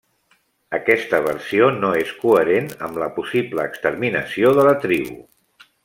Aquesta versió no és coherent amb la possible exterminació de la tribu.